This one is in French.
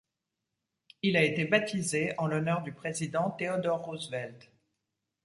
Il a été baptisé en l'honneur du président Theodore Roosevelt.